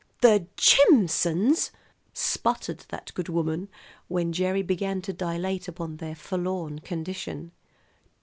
"The Jimsons!" sputtered that good woman when Gerry began to dilate upon their forlorn condition.